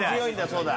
そうだ。